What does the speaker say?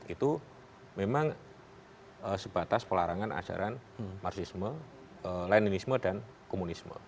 itu memang sebatas pelarangan ajaran marxisme leninisme dan komunisme